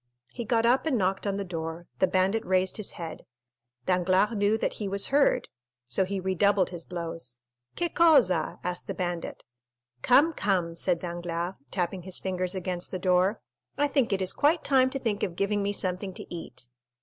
He got up and knocked on the door; the bandit raised his head. Danglars knew that he was heard, so he redoubled his blows. "Che cosa?" asked the bandit. "Come, come," said Danglars, tapping his fingers against the door, "I think it is quite time to think of giving me something to eat!"